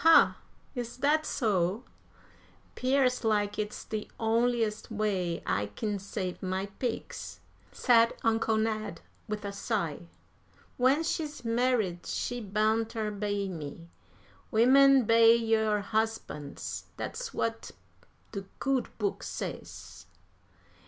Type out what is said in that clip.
"Ah! is that so?" "'Pears like it's de onliest way I kin save my pigs," said Uncle Ned, with a sigh. "When she's married she boun' ter 'bey me. Women 'bey your husbands; dat's what de good Book says."